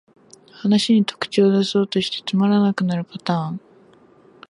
話に特徴だそうとしてつまらなくなるパターン